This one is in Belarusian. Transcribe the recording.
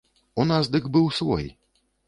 У нас дык быў свой.